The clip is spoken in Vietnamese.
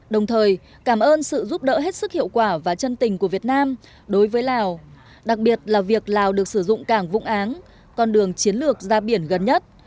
đồng thời cảm ơn sự giúp đỡ hết sức hiệu quả và chân tình của việt nam đối với lào đặc biệt là việc lào được sử dụng cảng vũng áng con đường chiến lược ra biển gần nhất